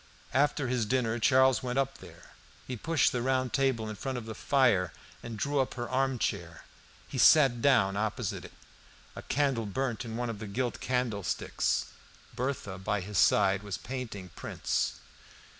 After his dinner Charles went up there. He pushed the round table in front of the fire, and drew up her armchair. He sat down opposite it. A candle burnt in one of the gilt candlesticks. Berthe by his side was painting prints.